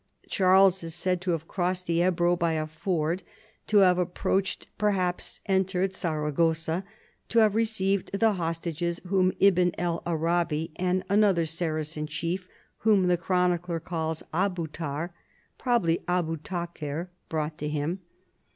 Charles is said to have crossed the Ebro b}' a ford, to have approached, perhaps entered, Saragossa, to have received the hostages whom Ibn el Arabi and another Saracen chief whom the chronicler calls Abuthaur (probabl}^ Abu Taker) brought to him.